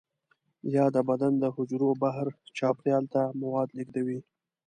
یا د بدن د حجرو بهر چاپیریال ته مواد لیږدوي.